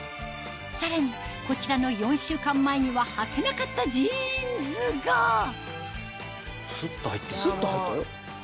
さらにこちらの４週間前にははけなかったジーンズがスッと入ったよ。